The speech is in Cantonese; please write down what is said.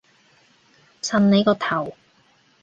襯你個頭